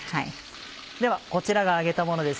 ではこちらが揚げたものです。